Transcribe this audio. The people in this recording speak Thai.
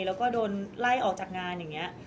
แล้วก็โดนไล่ออกจากงานอย่างนี้